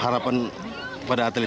harapan pada atlet